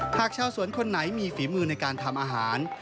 หากชาวสวนคนไหนมีฝีมือในการทำอาหาร